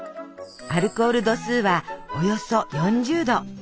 アルコール度数はおよそ４０度！